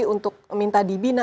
untuk minta dibina